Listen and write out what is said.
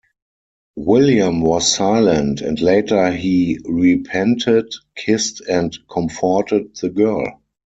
William was silent, and later he repented, kissed and comforted the girl.